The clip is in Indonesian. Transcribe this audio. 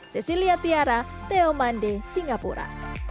cesilia tiara teo mande singapura